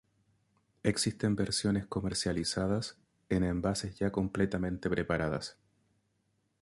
Existen versiones comercializadas en envases ya completamente preparadas.